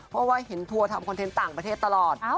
เพราะว่าเห็นทัวร์ทำคอนเทนต์ต่างประเทศตลอด